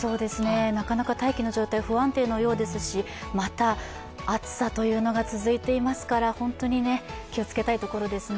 なかなか大気の状態が不安定のようですし、また暑さというのが続いていますから本当に気をつけたいところですね。